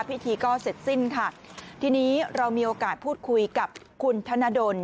พิธีก็เสร็จสิ้นค่ะทีนี้เรามีโอกาสพูดคุยกับคุณธนดล